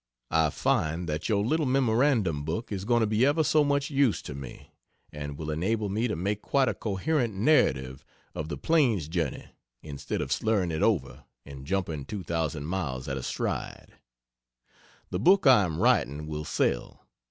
I find that your little memorandum book is going to be ever so much use to me, and will enable me to make quite a coherent narrative of the Plains journey instead of slurring it over and jumping 2,000 miles at a stride. The book I am writing will sell.